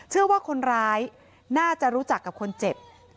เชื่อว่าคนร้ายน่าจะรู้จักกับคนเจ็บ